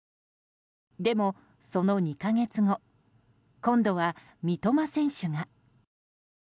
でも、その２か月後今度は三笘選手が。